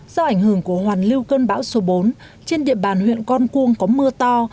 do ảnh hưởng của hoàn lưu cơn bão số bốn trên địa bàn huyện con cuông có mưa to